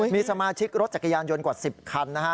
มีสมาชิกรถจักรยานยนต์กว่า๑๐คันนะฮะ